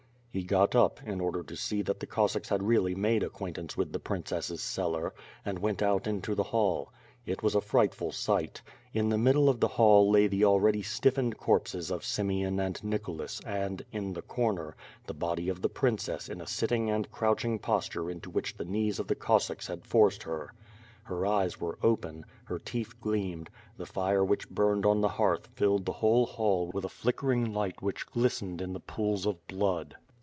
He got up, in order to see that the Cossacks had really made acquaintance with the princess's cellar, and went out into the hall. It was a frightful sight. In the middle of the hall, lay the already stiffened corpses of Simeon and Nicholas and, in the comer, the body of the pnirccss in a sitting and crouching posture into which the knees of the Cossacks had forced her. Her eyes were open; her teeth gleamed; the fire which burned on the hearth filled the whole hall with a flickering light which glistened in the pools of blood.